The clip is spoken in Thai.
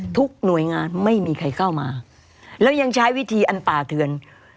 ทุกหน่วยงานไม่มีใครเข้ามาแล้วยังใช้วิธีอันป่าเทือน